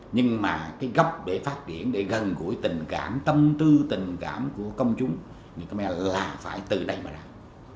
nhưng mà cái góc để phát triển để gần gũi tình cảm tâm tư tình cảm của công chúng là phải từ đây mà làm